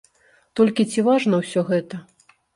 Толькі ці важна ўсё гэта?